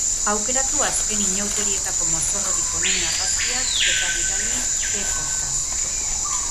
Aukeratu azken inauterietako mozorrorik onenen argazkiak eta bidali e-postaz.